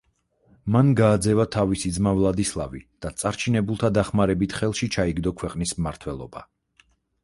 მან გააძევა თავისი ძმა ვლადისლავი და წარჩინებულთა დახმარებით ხელში ჩაიგდო ქვეყნის მმართველობა.